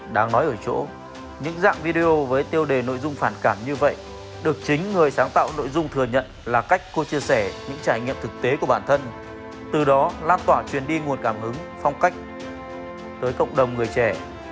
đáng nói ở chỗ những dạng video với tiêu đề nội dung phản cảm như vậy được chính người sáng tạo nội dung thừa nhận là cách cô chia sẻ những trải nghiệm thực tế của bản thân từ đó lan tỏa truyền đi nguồn cảm hứng phong cách tới cộng đồng người trẻ